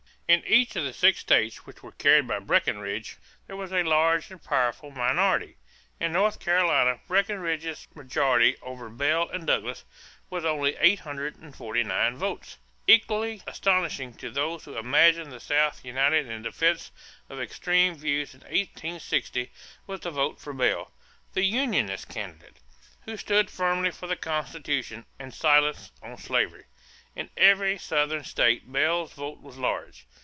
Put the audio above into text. In each of the six states which were carried by Breckinridge, there was a large and powerful minority. In North Carolina Breckinridge's majority over Bell and Douglas was only 849 votes. Equally astounding to those who imagine the South united in defense of extreme views in 1860 was the vote for Bell, the Unionist candidate, who stood firmly for the Constitution and silence on slavery. In every Southern state Bell's vote was large.